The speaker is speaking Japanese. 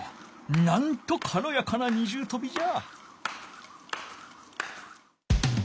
なんとかろやかな二重とびじゃ。